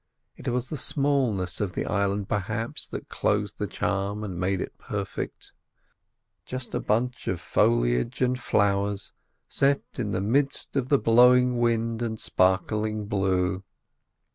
It was the smallness of the island, perhaps, that closed the charm and made it perfect. Just a bunch of foliage and flowers set in the midst of the blowing wind and sparkling blue.